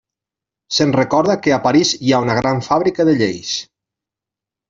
Se'n recorda que a París hi ha una gran fàbrica de lleis.